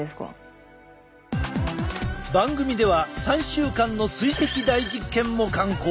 番組では３週間の追跡大実験も敢行。